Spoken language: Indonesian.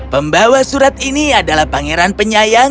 pembawa surat ini adalah pangeran penyayang